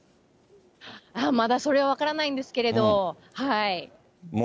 まだそれは分からないんですけど。